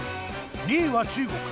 ２位は中国。